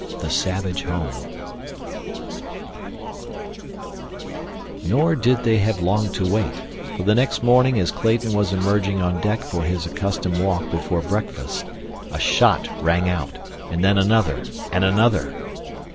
The Savage Home Nor did they have long to wait, for the next morning as Clayton was emerging on deck for his accustomed walk before breakfast, a shot rang out, and then another, and another.